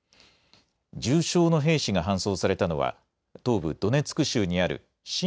重傷の兵士が搬送されたのは東部ドネツク州にある親